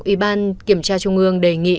ủy ban kiểm tra trung ương đề nghị